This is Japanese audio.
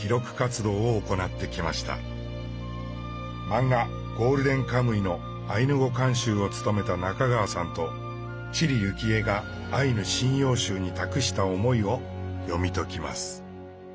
漫画「ゴールデンカムイ」のアイヌ語監修を務めた中川さんと知里幸恵が「アイヌ神謡集」に託した思いを読み解きます。